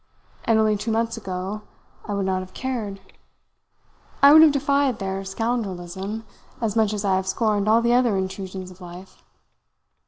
And only two months ago I would not have cared. I would have defied their scoundrelism as much as I have scorned all the other intrusions of life.